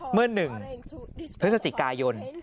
เมื่อหนึ่งเพื่อสจิกายน